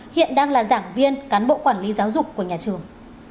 hiện đang là giảng viên cán bộ quản lý giáo dục của nhà trường